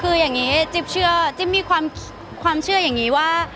คืออย่างนี้จิ๊บเชื่อจิ๊บมีความเชื่ออย่างนี้ว่า